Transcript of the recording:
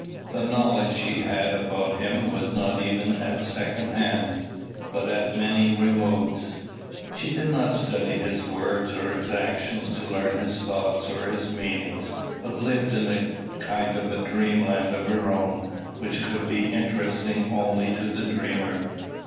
The knowledge she had about him was not even at second hand, but at many removes. She did not study his words or his actions to learn his thoughts or his meanings; but lived in a kind of dreamland of her own, which could be interesting only to the dreamer.